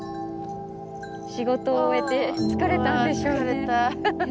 仕事を終えて疲れたんでしょうね。